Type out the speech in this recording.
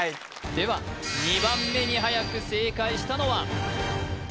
では２番目にはやく正解したのは？